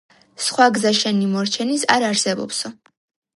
სხვა გზა შენი მორჩენის არ არსებობსო.